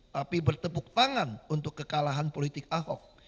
tapi bertepuk tangan untuk kekalahan politik ahok